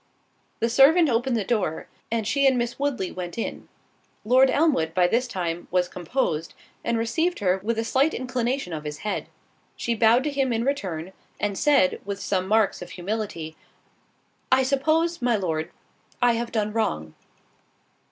The servant opened the door, and she and Miss Woodley went in. Lord Elmwood, by this time, was composed, and received her with a slight inclination of his head—she bowed to him in return, and said, with some marks of humility, "I suppose, my Lord, I have done wrong."